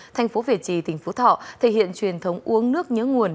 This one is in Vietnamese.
thành phố việt trì tỉnh phú thọ thể hiện truyền thống uống nước nhớ nguồn